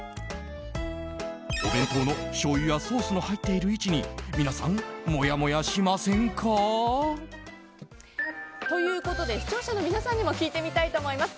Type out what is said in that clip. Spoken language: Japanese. お弁当のしょうゆやソースの入っている位置に皆さん、もやもやしませんか？ということで視聴者の皆さんにも聞いてみたいと思います。